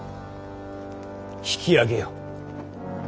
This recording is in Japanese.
引き揚げよ。